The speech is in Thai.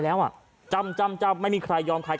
เฮ้ยเฮ้ยเฮ้ยเฮ้ยเฮ้ย